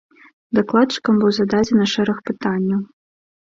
Дакладчыкам быў зададзены шэраг пытанняў.